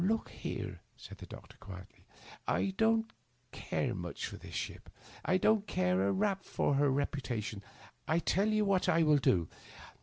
Look here," said the doctor, quietly, " I don't care much for this ship. I don't care a rap for her reputa tion. I tell you what I will do.